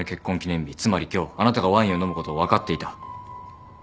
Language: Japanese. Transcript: つまり今日あなたがワインを飲むことを分かっていた。